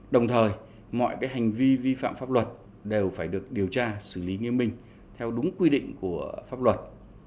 đồng thời mọi hành vi vi phạm pháp luật đều phải được điều tra xử lý nghiêm minh theo đúng quy định của pháp luật